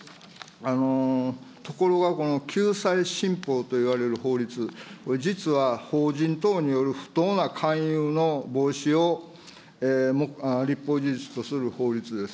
ところがこの救済新法といわれる法律、実は法人等による不当な勧誘の防止を立法事実とする法律です。